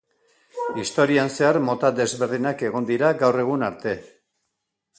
Historian zehar mota desberdinak egon dira gaur egun arte.